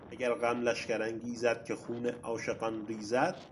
اگر غم لشکر انگیزد که خون عاشقان ریزد...